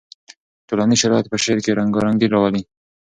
ټولنیز شرایط په شعر کې رنګارنګي راولي.